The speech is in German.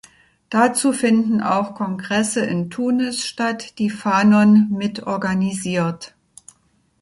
Dazu finden auch Kongresse in Tunis statt, die Fanon mitorganisiert.